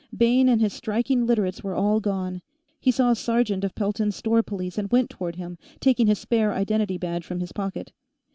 Bayne and his striking Literates were all gone; he saw a sergeant of Pelton's store police and went toward him, taking his spare identity badge from his pocket.